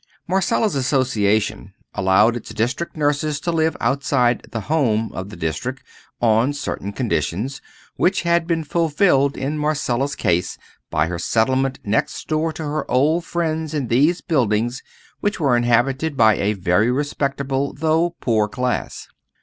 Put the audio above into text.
Marcella's Association allowed its District Nurses to live outside the "home" of the district on certain conditions, which had been fulfilled in Marcella's case by her settlement next door to her old friends in these buildings which were inhabited by a very respectable though poor class.